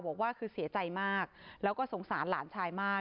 บอกว่าคือเสียใจมากแล้วก็สงสารหลานชายมาก